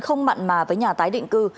không mặn mà với nhà tái định cư